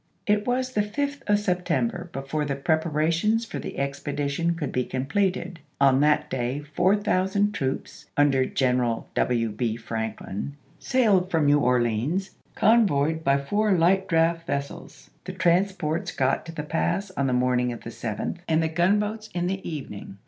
It was the 5th 1863. of September before the preparations for the ex pedition could be completed; on that day 4000 troops, under General W. B. Franklin, sailed from New Orleans, convoyed by four light draft vessels ; the transports got to the Pass on the morning of the 7th and the gunboats in the OLUSTEE AND THE KED EIVEK 287 evening.